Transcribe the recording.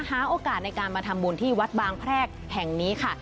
หาโอกาสในการมาทำบุญที่วัดบางแพรกแห่งนี้ค่ะ